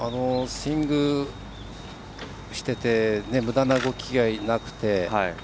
スイングしててむだな動きがなくて。